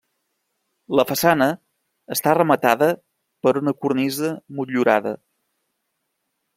La façana està rematada per una cornisa motllurada.